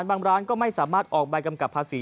จำนวนนักท่องเที่ยวที่เดินทางมาพักผ่อนเพิ่มขึ้นในปีนี้